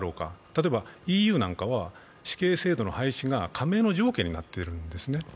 例えばＥＵなどは死刑の廃止が加盟の条件になっているんです。